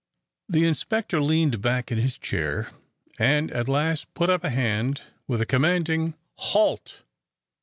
The inspector leaned back in his chair and at last put up a hand with a commanding, "Halt!"